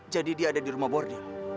jadi dia ada di rumah bordil